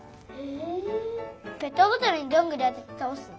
ペットボトルにどんぐりあててたおすの。